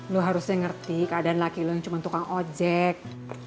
lu harusnya ngerti keadaan laki lu yang cuma tukang ojek